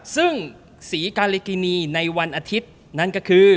ซึ่งศรีกาลิกินีในวันอาทิตย์นั้นก็คือ